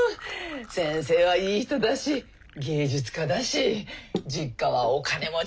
先生はいい人だし芸術家だし実家はお金持ちだし。